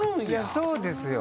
そうですよ。